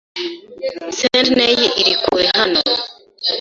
Sydney iri kure hano.